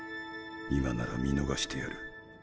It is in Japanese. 今なら見逃してやる。